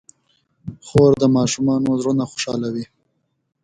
خور د ماشومانو زړونه خوشحالوي.